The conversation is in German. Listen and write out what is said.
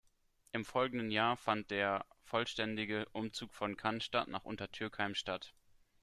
Im folgenden Jahr fand der vollständige Umzug von Cannstatt nach Untertürkheim statt.